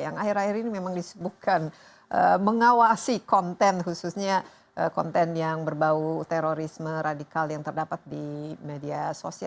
yang akhir akhir ini memang disebutkan mengawasi konten khususnya konten yang berbau terorisme radikal yang terdapat di media sosial